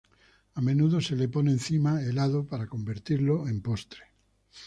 A menudo se le pone encima helado para convertirlo en postre.